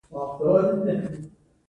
مرسته ښه ده.